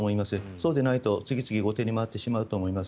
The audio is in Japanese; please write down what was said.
そうでないと次々後手に回ってしまうと思います。